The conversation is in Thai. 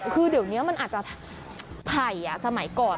คือเดี๋ยวอาจจะไผ่สมัยก่อน